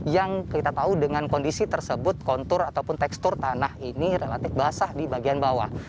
yang kita tahu dengan kondisi tersebut kontur ataupun tekstur tanah ini relatif basah di bagian bawah